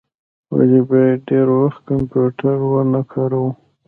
ولي باید ډیر وخت کمپیوټر و نه کاروو؟